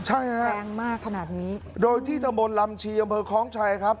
ใช่ฮะแรงมากขนาดนี้โดยที่ตำบลลำชีอำเภอคล้องชัยครับ